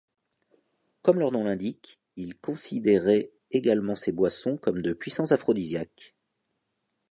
Comme leurs noms l'indiquent, ils considéraient également ces boissons comme de puissants aphrodisiaques.